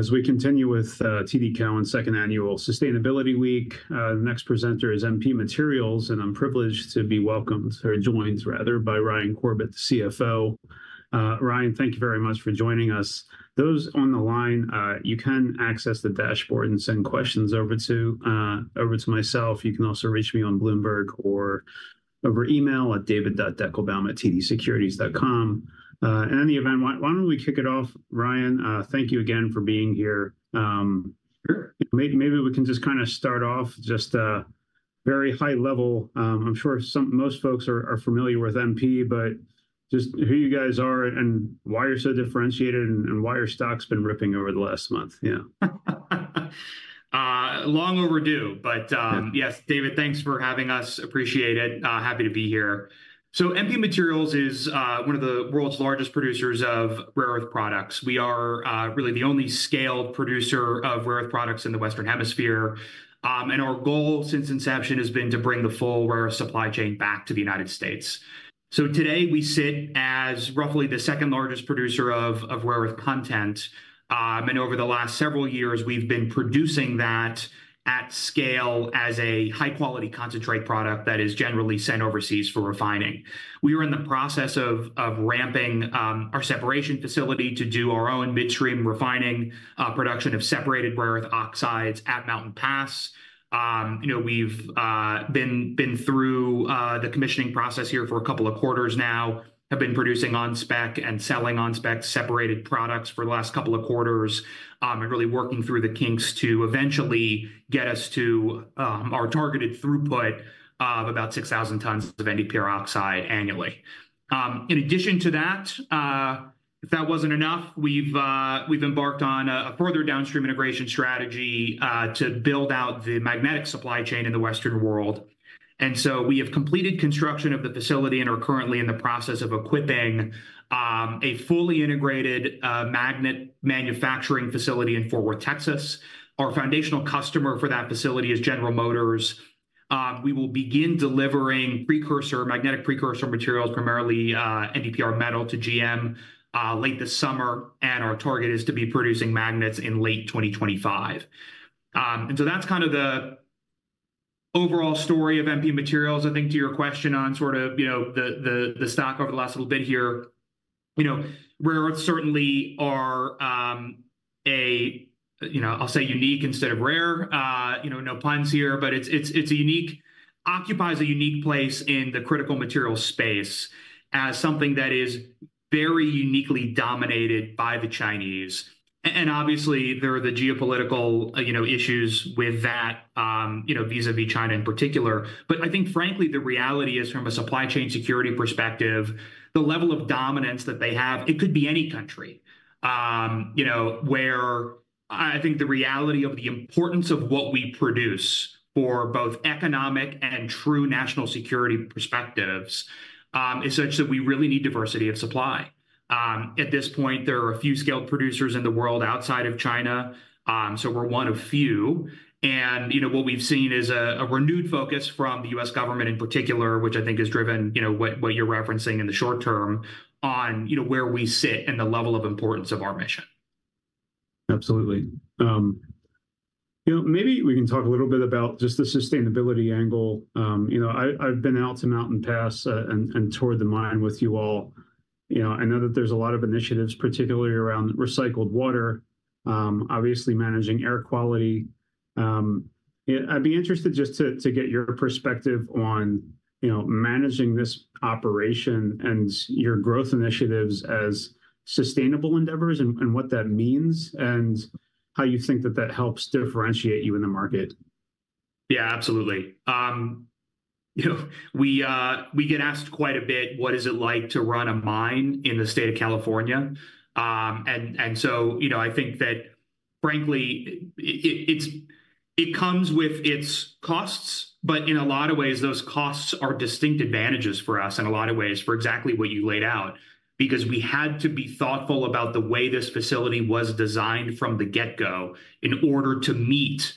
Hi, everyone. As we continue with TD Cowen second annual Sustainability Week, the next presenter is MP Materials, and I'm privileged to be welcomed, or joined rather, by Ryan Corbett, the CFO. Ryan, thank you very much for joining us. Those on the line, you can access the dashboard and send questions over to myself. You can also reach me on Bloomberg or over email at David.Deckelbaum@tdsecurities.com. In any event, why don't we kick it off, Ryan? Thank you again for being here. Sure. Maybe we can just kind of start off just very high level. I'm sure most folks are familiar with MP, but just who you guys are and why you're so differentiated and why your stock's been ripping over the last month? Yeah. Long overdue, but Yeah... yes, David, thanks for having us. Appreciate it. Happy to be here. So MP Materials is one of the world's largest producers of rare earth products. We are really the only scaled producer of rare earth products in the Western Hemisphere. And our goal since inception has been to bring the full rare earth supply chain back to the United States. So today we sit as roughly the second-largest producer of rare earth content. And over the last several years, we've been producing that at scale as a high-quality concentrate product that is generally sent overseas for refining. We are in the process of ramping our separation facility to do our own midstream refining production of separated rare earth oxides at Mountain Pass. You know, we've been through the commissioning process here for a couple of quarters now. Have been producing on spec and selling on spec separated products for the last couple of quarters, and really working through the kinks to eventually get us to our targeted throughput of about 6,000 tons of NdPr oxide annually. In addition to that, if that wasn't enough, we've embarked on a further downstream integration strategy to build out the magnetic supply chain in the Western world. And so we have completed construction of the facility and are currently in the process of equipping a fully integrated magnet manufacturing facility in Fort Worth, Texas. Our foundational customer for that facility is General Motors. We will begin delivering precursor, magnetic precursor materials, primarily NdPr metal, to GM late this summer, and our target is to be producing magnets in late 2025. So that's kind of the overall story of MP Materials. I think to your question on sort of, you know, the stock over the last little bit here, you know, rare earths certainly are, you know, I'll say unique instead of rare. You know, no puns here, but it's a unique occupies a unique place in the critical materials space as something that is very uniquely dominated by the Chinese. And obviously, there are the geopolitical, you know, issues with that, you know, vis-a-vis China in particular. But I think frankly, the reality is, from a supply chain security perspective, the level of dominance that they have, it could be any country. You know, where I think the reality of the importance of what we produce for both economic and true national security perspectives is such that we really need diversity of supply. At this point, there are a few scaled producers in the world outside of China, so we're one of few. And, you know, what we've seen is a renewed focus from the U.S. government in particular, which I think has driven, you know, what you're referencing in the short term, on, you know, where we sit and the level of importance of our mission. Absolutely. You know, maybe we can talk a little bit about just the sustainability angle. You know, I, I've been out to Mountain Pass, and toured the mine with you all. You know, I know that there's a lot of initiatives, particularly around recycled water, obviously managing air quality. Yeah, I'd be interested to get your perspective on, you know, managing this operation and your growth initiatives as sustainable endeavors, and what that means, and how you think that helps differentiate you in the market. Yeah, absolutely. You know, we get asked quite a bit, "What is it like to run a mine in the state of California?" And so, you know, I think that frankly, it comes with its costs, but in a lot of ways, those costs are distinct advantages for us in a lot of ways, for exactly what you laid out. Because we had to be thoughtful about the way this facility was designed from the get-go in order to meet,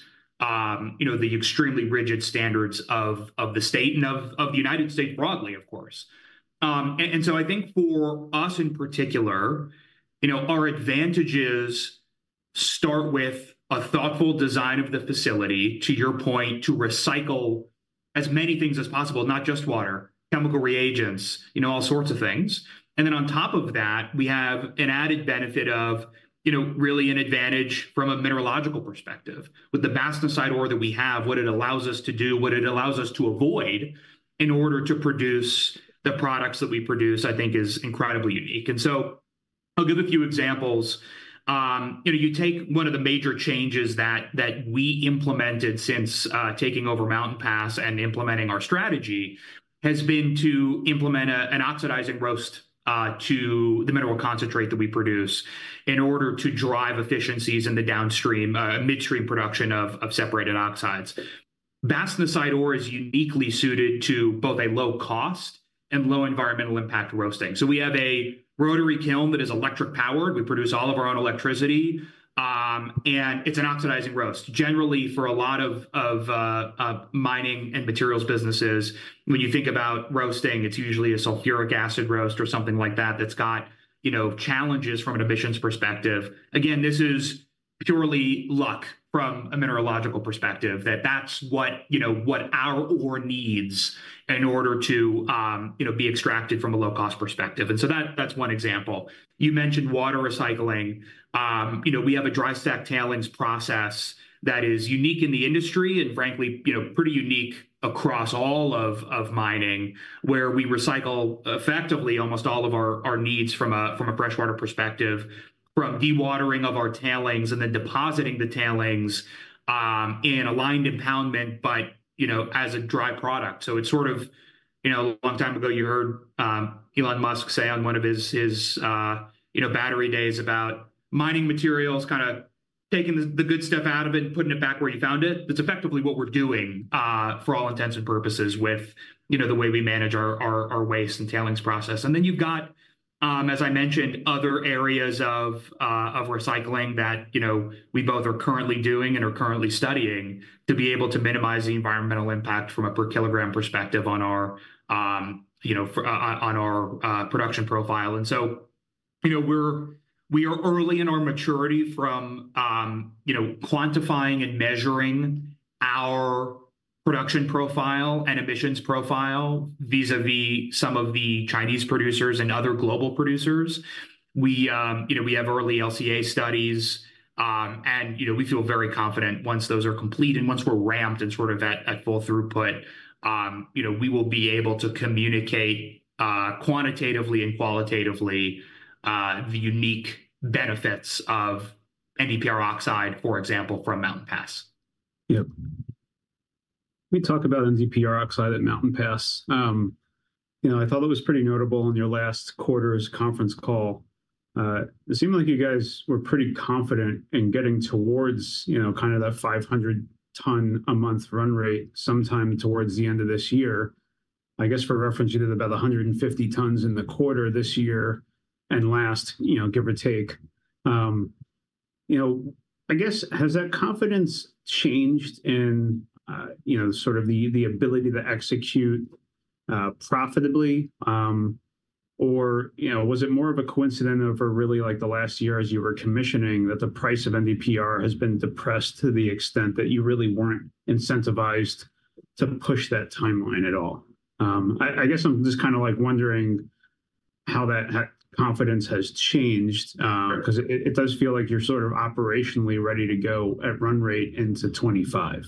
you know, the extremely rigid standards of the state and of the United States broadly, of course. And so I think for us in particular, you know, our advantages start with a thoughtful design of the facility, to your point, to recycle as many things as possible, not just water, chemical reagents, you know, all sorts of things. And then on top of that, we have an added benefit of, you know, really an advantage from a mineralogical perspective. With the bastnaesite ore that we have, what it allows us to do, what it allows us to avoid in order to produce the products that we produce, I think is incredibly unique. And so I'll give a few examples. You know, you take one of the major changes that we implemented since taking over Mountain Pass and implementing our strategy, has been to implement an oxidizing roast to the mineral concentrate that we produce in order to drive efficiencies in the downstream midstream production of separated oxides. bastnaesite ore is uniquely suited to both a low cost and low environmental impact roasting. So we have a rotary kiln that is electric-powered. We produce all of our own electricity. And it's an oxidizing roast. Generally, for a lot of mining and materials businesses, when you think about roasting, it's usually a sulfuric acid roast or something like that that's got, you know, challenges from an emissions perspective. Again, this is-... purely luck from a mineralogical perspective, that that's what, you know, what our ore needs in order to, you know, be extracted from a low-cost perspective. And so that, that's one example. You mentioned water recycling. You know, we have a dry stack tailings process that is unique in the industry, and frankly, you know, pretty unique across all of mining, where we recycle effectively almost all of our needs from a freshwater perspective, from dewatering of our tailings and then depositing the tailings in a lined impoundment, but, you know, as a dry product. So it's sort of, you know, a long time ago, you heard Elon Musk say on one of his battery days about mining materials, kinda taking the good stuff out of it and putting it back where you found it. That's effectively what we're doing, for all intents and purposes, with, you know, the way we manage our, our, our waste and tailings process. And then you've got, as I mentioned, other areas of, of recycling that, you know, we both are currently doing and are currently studying to be able to minimize the environmental impact from a per kilogram perspective on our, you know, for, on, on our, production profile. And so, you know, we are early in our maturity from, you know, quantifying and measuring our production profile and emissions profile vis-à-vis some of the Chinese producers and other global producers. We, you know, we have early LCA studies. You know, we feel very confident once those are complete and once we're ramped and sort of at full throughput. You know, we will be able to communicate quantitatively and qualitatively the unique benefits of NdPr oxide, for example, from Mountain Pass. Yep. We talk about NdPr oxide at Mountain Pass. You know, I thought it was pretty notable in your last quarter's conference call. It seemed like you guys were pretty confident in getting towards, you know, kind of that 500-ton-a-month run rate sometime towards the end of this year. I guess, for reference, you did about 150 tons in the quarter this year and last, you know, give or take. You know, I guess, has that confidence changed in, you know, sort of the ability to execute profitably? Or, you know, was it more of a coincidence over really, like, the last year as you were commissioning, that the price of NdPr has been depressed to the extent that you really weren't incentivized to push that timeline at all? I guess I'm just kinda like wondering how that confidence has changed. Sure... 'cause it does feel like you're sort of operationally ready to go at run rate into 2025.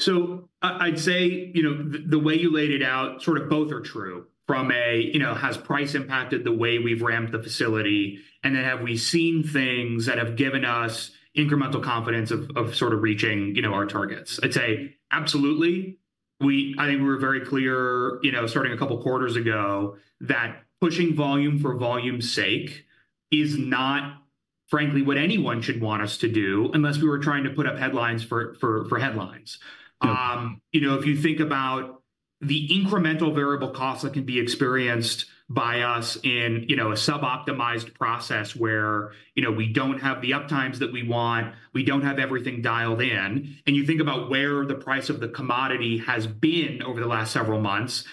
So I'd say, you know, the way you laid it out, sort of both are true, from a, you know, has price impacted the way we've ramped the facility? And then, have we seen things that have given us incremental confidence of sort of reaching, you know, our targets? I'd say absolutely. I think we're very clear, you know, starting a couple quarters ago, that pushing volume for volume's sake is not, frankly, what anyone should want us to do, unless we were trying to put up headlines for headlines. Yep. You know, if you think about the incremental variable costs that can be experienced by us in, you know, a sub-optimized process where, you know, we don't have the uptimes that we want, we don't have everything dialed in, and you think about where the price of the commodity has been over the last several months.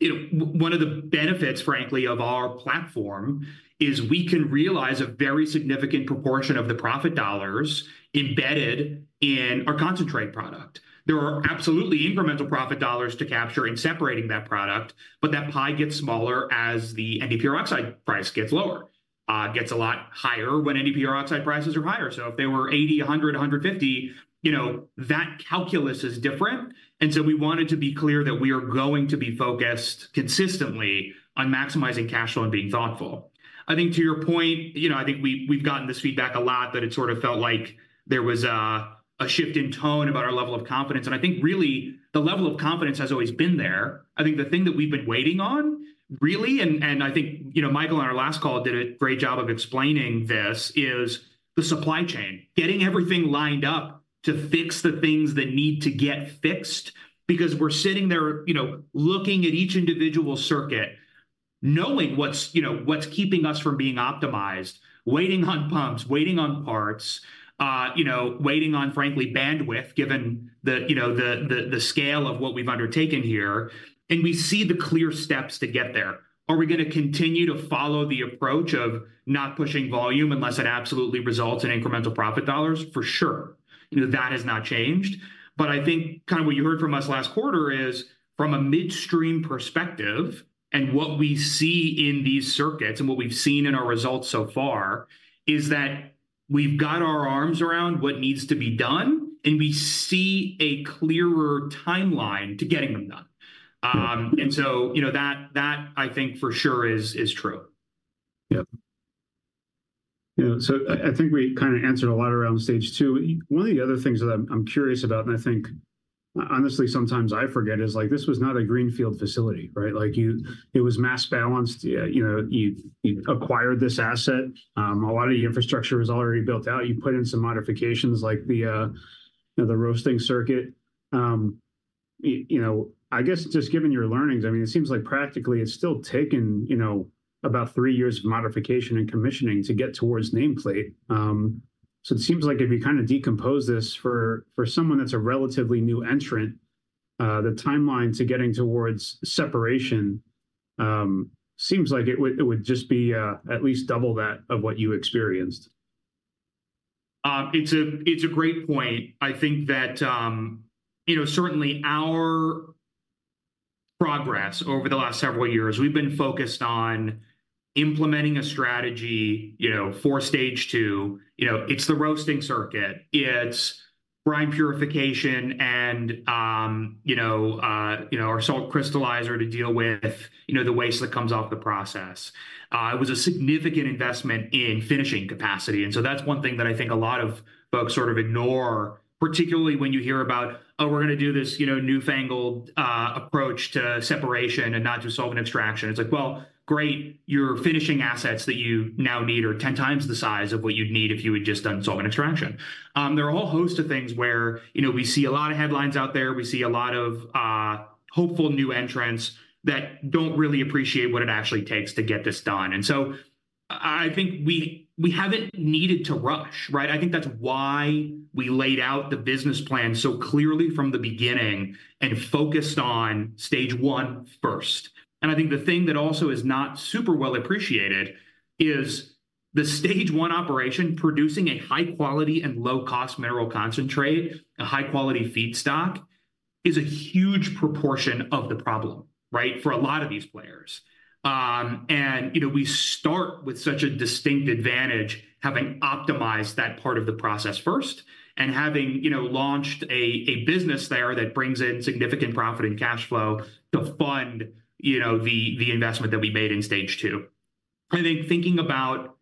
You know, one of the benefits, frankly, of our platform is we can realize a very significant proportion of the profit dollars embedded in our concentrate product. There are absolutely incremental profit dollars to capture in separating that product, but that pie gets smaller as the NdPr oxide price gets lower. It gets a lot higher when NdPr oxide prices are higher. So if they were $80, $100, $150, you know, that calculus is different. We wanted to be clear that we are going to be focused consistently on maximizing cash flow and being thoughtful. I think to your point, you know, I think we, we've gotten this feedback a lot, that it sort of felt like there was a shift in tone about our level of confidence. I think, really, the level of confidence has always been there. I think the thing that we've been waiting on, really, and I think, you know, Michael, on our last call, did a great job of explaining this, is the supply chain. Getting everything lined up to fix the things that need to get fixed, because we're sitting there, you know, looking at each individual circuit, knowing what's, you know, what's keeping us from being optimized, waiting on pumps, waiting on parts, you know, waiting on, frankly, bandwidth, given the, you know, the scale of what we've undertaken here, and we see the clear steps to get there. Are we gonna continue to follow the approach of not pushing volume unless it absolutely results in incremental profit dollars? For sure. You know, that has not changed. But I think kind of what you heard from us last quarter is, from a midstream perspective and what we see in these circuits and what we've seen in our results so far, is that we've got our arms around what needs to be done, and we see a clearer timeline to getting them done. And so, you know, that I think for sure is true. Yep. Yeah, so I, I think we kinda answered a lot around Stage 2. One of the other things that I'm, I'm curious about, and I think, honestly, sometimes I forget, is, like, this was not a greenfield facility, right? Like, you... It was mass balanced. You know, you, you acquired this asset. A lot of the infrastructure was already built out. You put in some modifications, like the, you know, the roasting circuit. You know, I guess just given your learnings, I mean, it seems like practically it's still taken, you know, about three years of modification and commissioning to get towards nameplate. So it seems like if you kind of decompose this, for, for someone that's a relatively new entrant-... The timeline to getting towards separation seems like it would just be at least double that of what you experienced. It's a great point. I think that, you know, certainly our progress over the last several years, we've been focused on implementing a strategy, you know, for Stage 2. You know, it's the roasting circuit, it's brine purification, and, you know, our salt crystallizer to deal with, you know, the waste that comes off the process. It was a significant investment in finishing capacity, and so that's one thing that I think a lot of folks sort of ignore, particularly when you hear about, "Oh, we're gonna do this, you know, newfangled approach to separation and not just solvent extraction." It's like, well, great, your finishing assets that you now need are 10 times the size of what you'd need if you had just done solvent extraction. There are a whole host of things where, you know, we see a lot of headlines out there, we see a lot of hopeful new entrants that don't really appreciate what it actually takes to get this done. And so I think we haven't needed to rush, right? I think that's why we laid out the business plan so clearly from the beginning, and focused on Stage 1 first. And I think the thing that also is not super well appreciated is the Stage 1 operation, producing a high-quality and low-cost mineral concentrate, a high-quality feedstock, is a huge proportion of the problem, right, for a lot of these players. And, you know, we start with such a distinct advantage, having optimized that part of the process first, and having, you know, launched a business there that brings in significant profit and cash flow to fund, you know, the investment that we made in Stage 2. I think thinking about,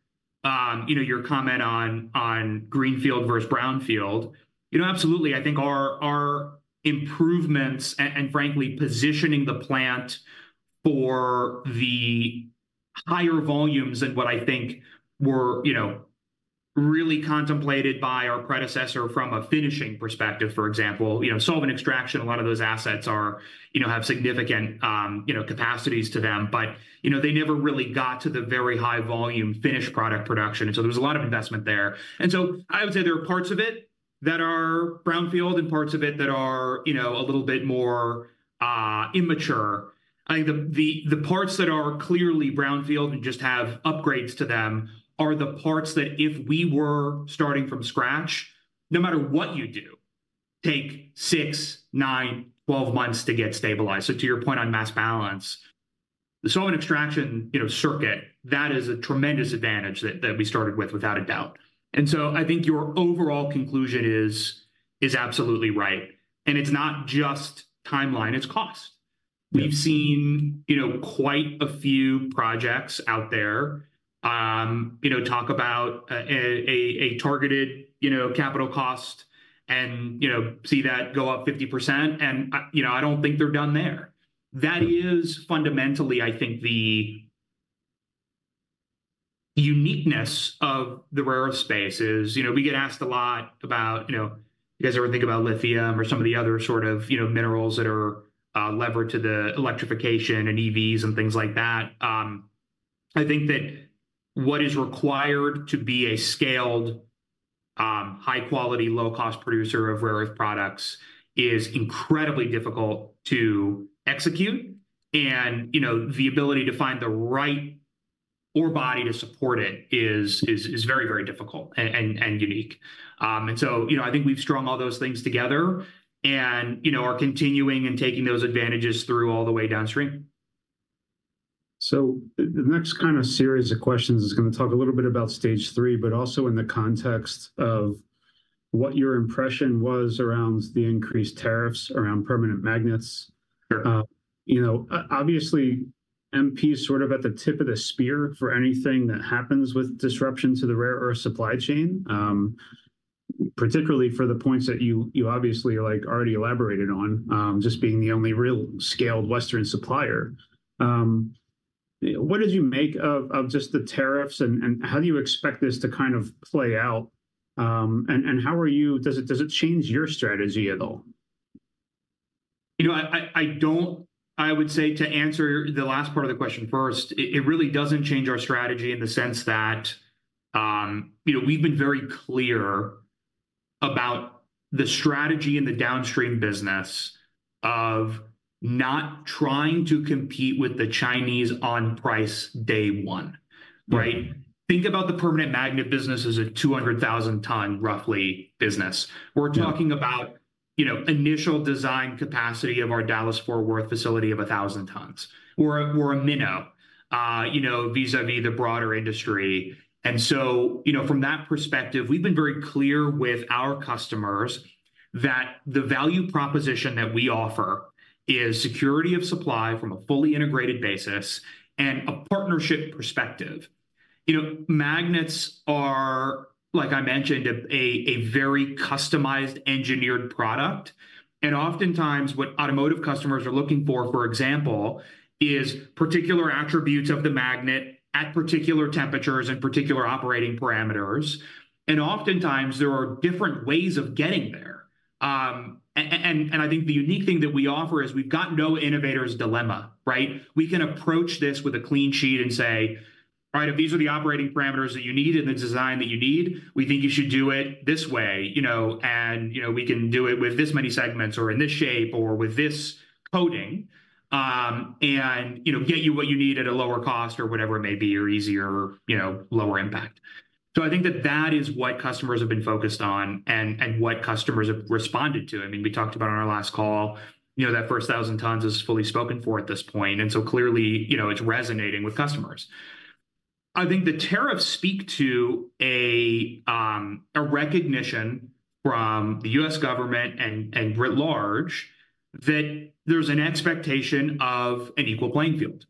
you know, your comment on greenfield versus brownfield, you know, absolutely, I think our improvements and frankly positioning the plant for the higher volumes than what I think were, you know, really contemplated by our predecessor from a finishing perspective, for example. You know, solvent extraction, a lot of those assets are... you know, have significant, you know, capacities to them. But, you know, they never really got to the very high volume finished product production, and so there was a lot of investment there. And so I would say there are parts of it that are brownfield, and parts of it that are, you know, a little bit more immature. I think the parts that are clearly brownfield and just have upgrades to them are the parts that if we were starting from scratch, no matter what you do, take six, nine, 12 months to get stabilized. So to your point on mass balance, the solvent extraction, you know, circuit, that is a tremendous advantage that we started with, without a doubt. And so I think your overall conclusion is absolutely right, and it's not just timeline, it's cost. Yeah. We've seen, you know, quite a few projects out there, you know, talk about a targeted, you know, capital cost and, you know, see that go up 50%, and, you know, I don't think they're done there. That is fundamentally, I think, the uniqueness of the rare earth space is... You know, we get asked a lot about, you know, "You guys ever think about lithium or some of the other sort of, you know, minerals that are levered to the electrification and EVs and things like that?" I think that what is required to be a scaled, high-quality, low-cost producer of rare earth products is incredibly difficult to execute. And, you know, the ability to find the right ore body to support it is very, very difficult and unique. And so, you know, I think we've strung all those things together and, you know, are continuing and taking those advantages through all the way downstream. So the next kind of series of questions is gonna talk a little bit about Stage 3, but also in the context of what your impression was around the increased tariffs around permanent magnets. Sure. You know, obviously, MP is sort of at the tip of the spear for anything that happens with disruption to the rare earth supply chain, particularly for the points that you obviously, like, already elaborated on, just being the only real scaled Western supplier. What did you make of just the tariffs, and how do you expect this to kind of play out? And how does it change your strategy at all? You know, I don't... I would say to answer the last part of the question first, it really doesn't change our strategy in the sense that, you know, we've been very clear about the strategy in the downstream business of not trying to compete with the Chinese on price day one, right? Mm. Think about the permanent magnet business as a 200,000-ton, roughly, business. Yeah. We're talking about, you know, initial design capacity of our Dallas-Fort Worth facility of 1,000 tons. We're a minnow, you know, vis-à-vis the broader industry. And so, you know, from that perspective, we've been very clear with our customers that the value proposition that we offer is security of supply from a fully integrated basis, and a partnership perspective. You know, magnets are, like I mentioned, a very customized engineered product, and oftentimes what automotive customers are looking for, for example, is particular attributes of the magnet at particular temperatures and particular operating parameters, and oftentimes there are different ways of getting there. And I think the unique thing that we offer is we've got no innovator's dilemma, right? We can approach this with a clean sheet and say, "All right, if these are the operating parameters that you need and the design that you need, we think you should do it this way, you know, and, you know, we can do it with this many segments or in this shape or with this coating. and, you know, get you what you need at a lower cost or whatever it may be, or easier, you know, lower impact." So I think that that is what customers have been focused on and, and what customers have responded to. I mean, we talked about on our last call, you know, that first 1,000 tons is fully spoken for at this point, and so clearly, you know, it's resonating with customers. I think the tariffs speak to a recognition from the U.S. government and writ large, that there's an expectation of an equal playing field.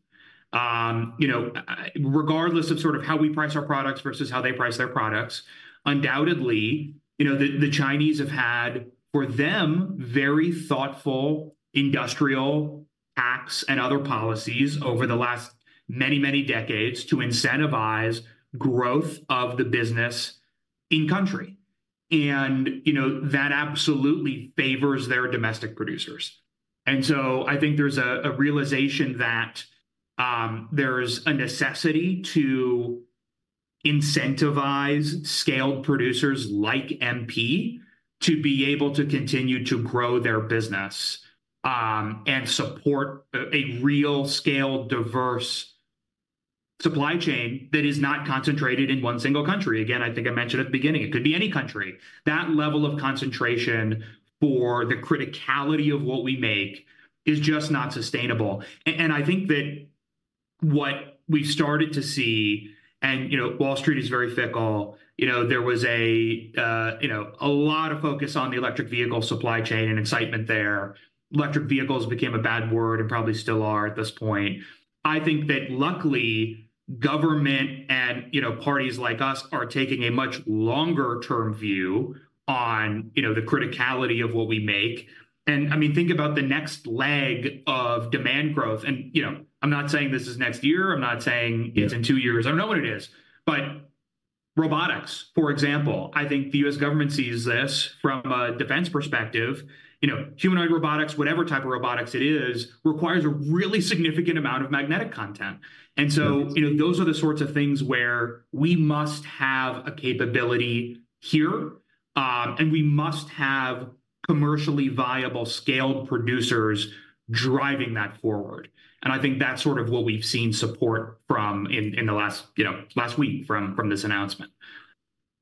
You know, regardless of sort of how we price our products versus how they price their products, undoubtedly, you know, the Chinese have had, for them, very thoughtful industrial acts and other policies over the last many, many decades to incentivize growth of the business in country. And, you know, that absolutely favors their domestic producers. And so I think there's a realization that, there's a necessity to incentivize scaled producers like MP to be able to continue to grow their business, and support a real scaled, diverse supply chain that is not concentrated in one single country. Again, I think I mentioned at the beginning, it could be any country. That level of concentration for the criticality of what we make is just not sustainable. And I think that what we've started to see... And, you know, Wall Street is very fickle. You know, there was a, you know, a lot of focus on the electric vehicle supply chain and excitement there. Electric vehicles became a bad word, and probably still are at this point. I think that luckily, government and, you know, parties like us are taking a much longer-term view on, you know, the criticality of what we make. And, I mean, think about the next leg of demand growth. And, you know, I'm not saying this is next year, I'm not saying- Yeah... it's in two years. I don't know what it is. But robotics, for example, I think the U.S. government sees this from a defense perspective. You know, humanoid robotics, whatever type of robotics it is, requires a really significant amount of magnetic content. Mm. And so, you know, those are the sorts of things where we must have a capability here, and we must have commercially viable scaled producers driving that forward. And I think that's sort of what we've seen support from in the last, you know, last week from this announcement.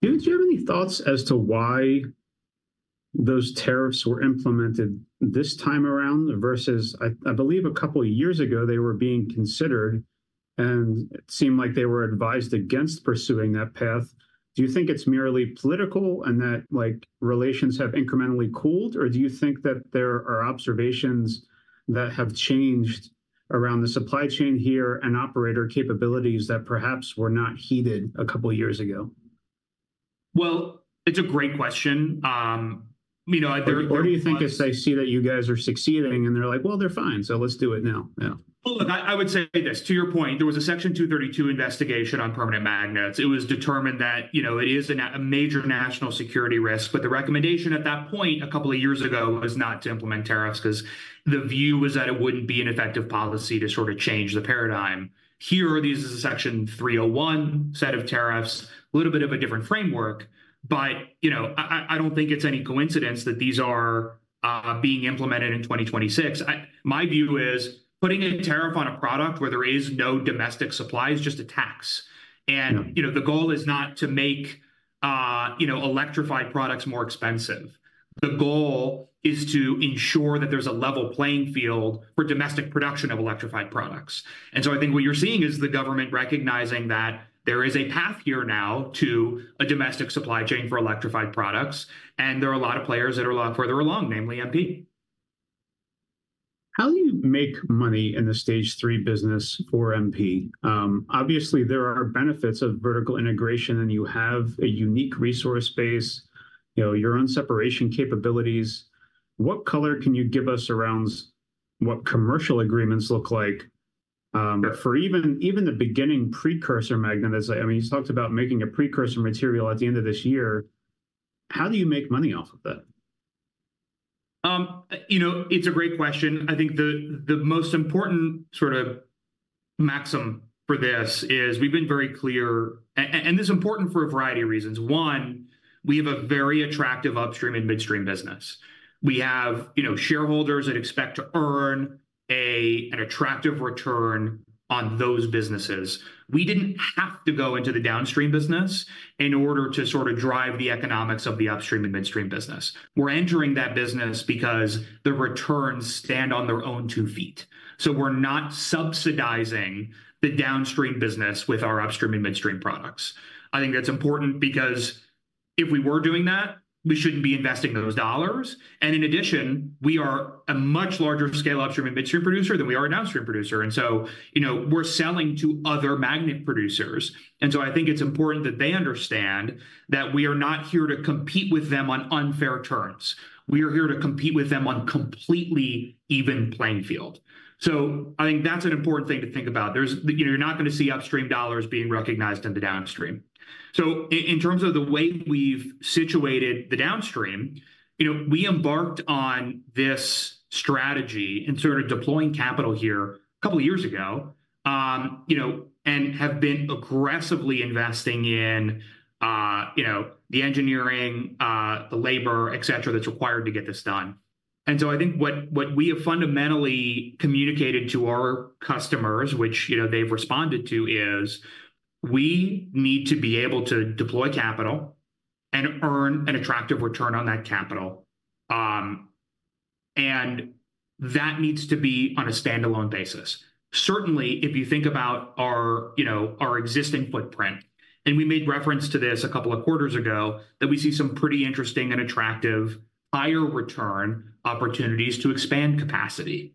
Do you have any thoughts as to why those tariffs were implemented this time around versus... I believe a couple of years ago they were being considered, and it seemed like they were advised against pursuing that path. Do you think it's merely political, and that, like, relations have incrementally cooled, or do you think that there are observations that have changed around the supply chain here and operator capabilities that perhaps were not heeded a couple of years ago? Well, it's a great question. You know, I think- Or, do you think it's they see that you guys are succeeding, and they're like, "Well, they're fine, so let's do it now?" Yeah. Well, look, I would say this. To your point, there was a Section 232 investigation on permanent magnets. It was determined that, you know, it is a major national security risk, but the recommendation at that point, a couple of years ago, was not to implement tariffs, 'cause the view was that it wouldn't be an effective policy to sort of change the paradigm. Here, this is a Section 301 set of tariffs, a little bit of a different framework, but, you know, I don't think it's any coincidence that these are being implemented in 2026. My view is, putting a tariff on a product where there is no domestic supply is just a tax. Mm. You know, the goal is not to make, you know, electrified products more expensive. The goal is to ensure that there's a level playing field for domestic production of electrified products. I think what you're seeing is the government recognizing that there is a path here now to a domestic supply chain for electrified products, and there are a lot of players that are a lot further along, namely MP. How do you make money in the Stage 3 business for MP? Obviously, there are benefits of vertical integration, and you have a unique resource base, you know, your own separation capabilities. What color can you give us around what commercial agreements look like? Yeah... for even the beginning precursor magnet, I mean, you talked about making a precursor material at the end of this year. How do you make money off of that? You know, it's a great question. I think the most important sort of maxim for this is we've been very clear, and this is important for a variety of reasons. One, we have a very attractive upstream and midstream business. We have, you know, shareholders that expect to earn an attractive return on those businesses. We didn't have to go into the downstream business in order to sort of drive the economics of the upstream and midstream business. We're entering that business because the returns stand on their own two feet, so we're not subsidizing the downstream business with our upstream and midstream products. I think that's important because if we were doing that, we shouldn't be investing those dollars. And in addition, we are a much larger scale upstream and midstream producer than we are a downstream producer. You know, we're selling to other magnet producers, and so I think it's important that they understand that we are not here to compete with them on unfair terms. We are here to compete with them on completely even playing field. So I think that's an important thing to think about. There's, you know, you're not gonna see upstream dollars being recognized in the downstream. So in terms of the way we've situated the downstream, you know, we embarked on this strategy and started deploying capital here a couple of years ago, you know, and have been aggressively investing in, you know, the engineering, the labor, et cetera, that's required to get this done. And so I think what we have fundamentally communicated to our customers, which, you know, they've responded to, is we need to be able to deploy capital and earn an attractive return on that capital. And that needs to be on a standalone basis. Certainly, if you think about our, you know, existing footprint, and we made reference to this a couple of quarters ago, that we see some pretty interesting and attractive higher return opportunities to expand capacity.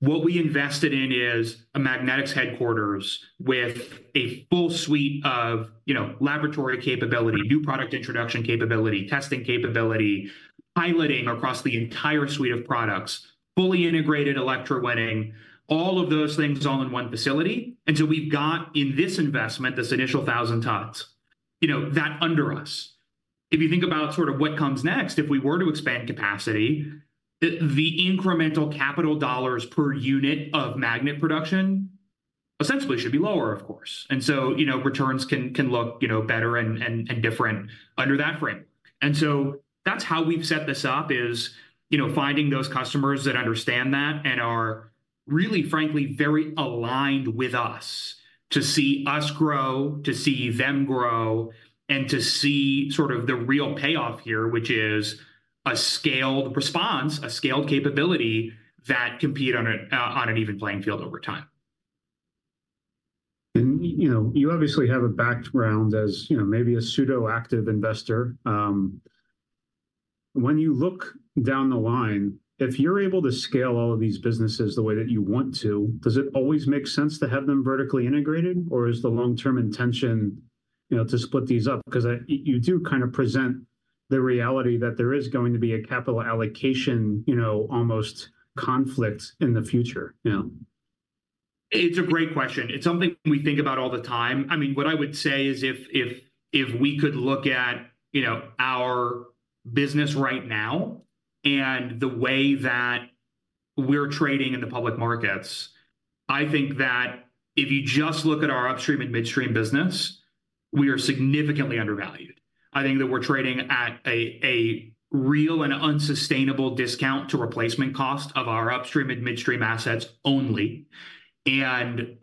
What we invested in is a magnetics headquarters with a full suite of, you know, laboratory capability, new product introduction capability, testing capability, piloting across the entire suite of products, fully integrated electrowinning, all of those things all in one facility. And so we've got, in this investment, this initial 1,000 tons, you know, that under us. If you think about sort of what comes next, if we were to expand capacity, the incremental capital dollars per unit of magnet production essentially should be lower, of course. And so, you know, returns can look, you know, better and different under that framework. And so that's how we've set this up, is, you know, finding those customers that understand that and are really, frankly, very aligned with us to see us grow, to see them grow, and to see sort of the real payoff here, which is a scaled response, a scaled capability that compete on an even playing field over time. You know, you obviously have a background as, you know, maybe a pseudo active investor. When you look down the line, if you're able to scale all of these businesses the way that you want to, does it always make sense to have them vertically integrated, or is the long-term intention, you know, to split these up? Because, you do kind of present the reality that there is going to be a capital allocation, you know, almost conflict in the future, you know? It's a great question. It's something we think about all the time. I mean, what I would say is, if we could look at, you know, our business right now and the way that we're trading in the public markets, I think that if you just look at our upstream and midstream business, we are significantly undervalued. I think that we're trading at a real and unsustainable discount to replacement cost of our upstream and midstream assets only. And,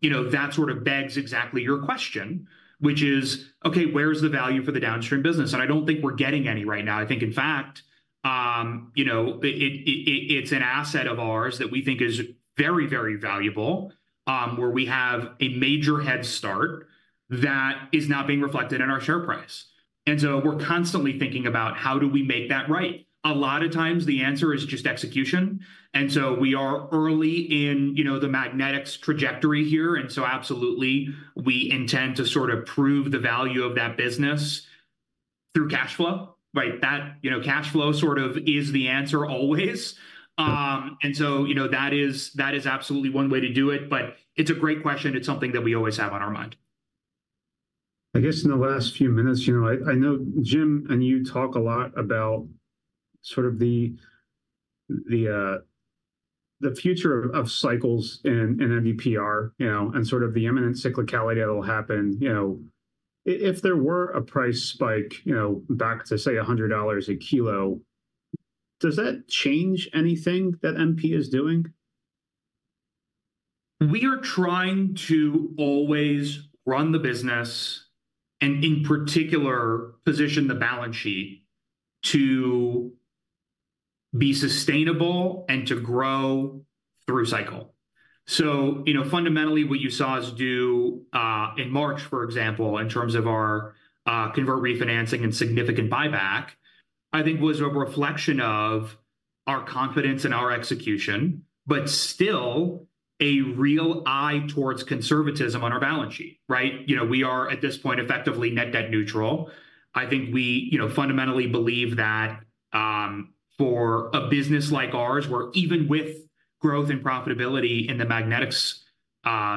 you know, that sort of begs exactly your question, which is, okay, where's the value for the downstream business? And I don't think we're getting any right now. I think in fact, you know, it's an asset of ours that we think is very, very valuable, where we have a major head start that is not being reflected in our share price. We're constantly thinking about how do we make that right? A lot of times the answer is just execution, and so we are early in, you know, the magnetics trajectory here. Absolutely we intend to sort of prove the value of that business through cash flow, right? That, you know, cash flow sort of is the answer always. You know, that is, that is absolutely one way to do it, but it's a great question. It's something that we always have on our mind. I guess, in the last few minutes, you know, I know Jim and you talk a lot about sort of the future of cycles in NdPr, you know, and sort of the imminent cyclicality that will happen. You know, if there were a price spike, you know, back to, say, $100 a kilo, does that change anything that MP is doing? We are trying to always run the business and, in particular, position the balance sheet to be sustainable and to grow through cycle. So, you know, fundamentally, what you saw us do in March, for example, in terms of our convert refinancing and significant buyback, I think was a reflection of our confidence in our execution, but still a real eye towards conservatism on our balance sheet, right? You know, we are, at this point, effectively net debt neutral. I think we, you know, fundamentally believe that for a business like ours, where even with growth and profitability in the magnetics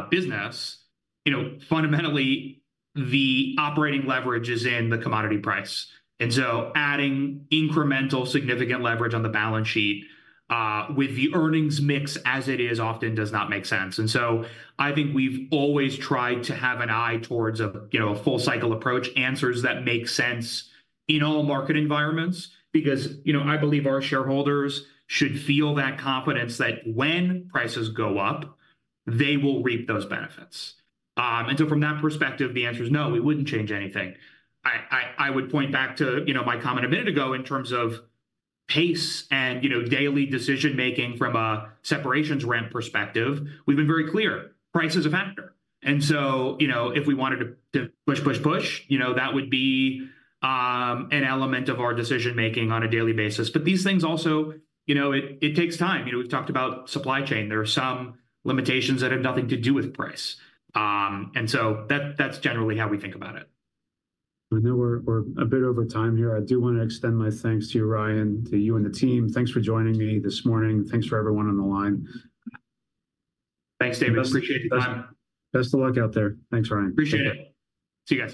business, you know, fundamentally, the operating leverage is in the commodity price. And so adding incremental significant leverage on the balance sheet with the earnings mix as it is, often does not make sense. So I think we've always tried to have an eye towards a, you know, a full cycle approach, answers that make sense in all market environments. Because, you know, I believe our shareholders should feel that confidence that when prices go up, they will reap those benefits. And so from that perspective, the answer is no, it wouldn't change anything. I would point back to, you know, my comment a minute ago in terms of pace and, you know, daily decision-making from a separations ramp perspective. We've been very clear, price is a factor. And so, you know, if we wanted to push, push, push, you know, that would be an element of our decision-making on a daily basis. But these things also... You know, it takes time. You know, we've talked about supply chain. There are some limitations that have nothing to do with price. And so that, that's generally how we think about it. I know we're a bit over time here. I do wanna extend my thanks to you, Ryan, to you and the team. Thanks for joining me this morning. Thanks for everyone on the line. Thanks, David. I appreciate the time. Best of luck out there. Thanks, Ryan. Appreciate it. See you guys.